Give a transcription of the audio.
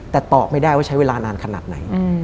แต่ตอบไม่ได้ว่าใช้เวลานานขนาดไหน